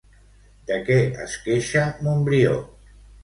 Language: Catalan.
De què es queixa Montbrió?